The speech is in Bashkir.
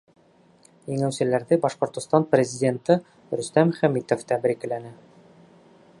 Еңеүселәрҙе Башҡортостан Президенты Рөстәм Хәмитов тәбрикләне.